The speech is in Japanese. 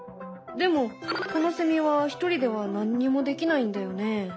でもこのセミは一人では何にもできないんだよね。